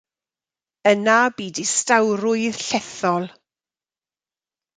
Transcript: Yna bu distawrwydd llethol.